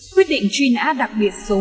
quyết định chuyên án đặc biệt số một mươi bảy